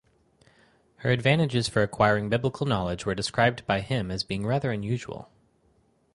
Her advantages for acquiring biblical knowledge were described by him as being rather unusual.